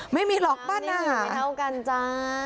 ไม่มีหรอกบ้านอาหารไม่เท่ากันจ้า